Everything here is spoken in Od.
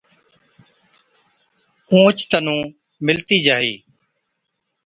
اُونهچ تنُون مِلتِي جاهِي۔